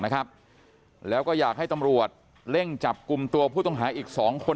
แล้วก็อยากให้ตำรวจเร่งจับกลุ่มตัวผู้ต้องหาอีก๒คน